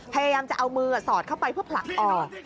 พยายามจะเอามือสอดเข้าไปเพื่อผลักออก